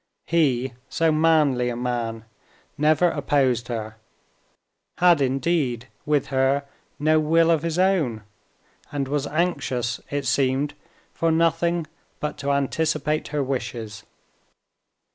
He, so manly a man, never opposed her, had indeed, with her, no will of his own, and was anxious, it seemed, for nothing but to anticipate her wishes.